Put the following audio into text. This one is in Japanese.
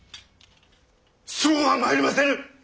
そうはまいりませぬ！